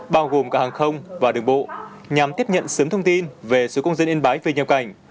bao gồm cả hàng không và đường bộ nhằm tiếp nhận sớm thông tin về số công dân yên bái về nhập cảnh